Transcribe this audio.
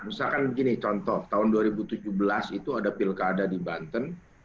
misalkan begini contoh tahun dua ribu tujuh belas itu ada pilkada di banten